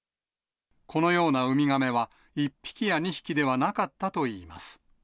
このようなウミガメは、１匹や２匹ではなかったといいます。